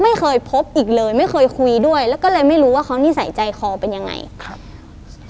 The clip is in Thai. ไม่เคยพบอีกเลยไม่เคยคุยด้วยแล้วก็เลยไม่รู้ว่าเขานิสัยใจคอเป็นยังไงครับ